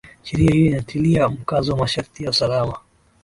sheria hiyo inatilia mkazo masharti ya usalama